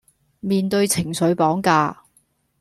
面對情緒綁架